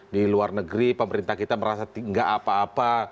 di luar negeri pemerintah kita merasa gak apa apa